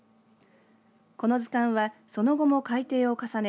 この図鑑はその後も改訂を重ね